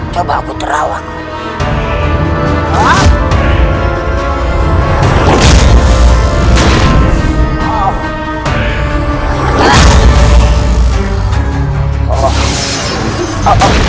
coba aku terawak